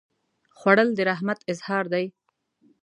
خوړل د رحمت اظهار دی